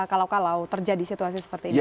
kalau kalau terjadi situasi seperti ini